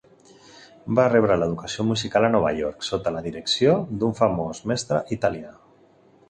Va rebre l'educació musical a Nova York, sota la direcció d'un famós mestre italià.